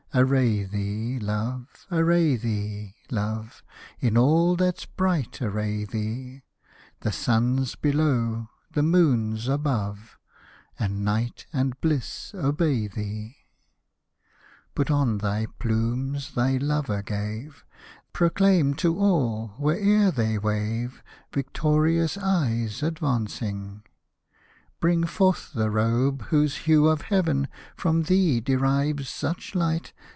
Array thee, love, array thee, love, In all that's bright array thee ; The sun's below — the moon's above — And Night and Bhss obey thee. Put on the plumes thy lover gave, The plumes, that, proudly dancing, Proclaim to all, where'er they w^ave, Victorious eyes advancing. Bring forth the robe, whose hue of heaven From thee derives such light.